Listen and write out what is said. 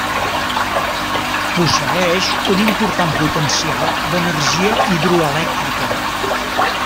Posseeix un important potencial d'energia hidroelèctrica.